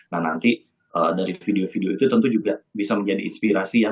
nah nanti dari video video itu tentu juga bisa menjadi inspirasi ya